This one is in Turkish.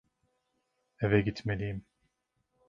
Eve gitmeliyim.